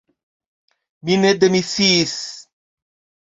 Mi ne demisiis.